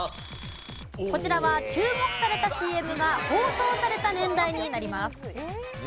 こちらは注目されたＣＭが放送された年代になります。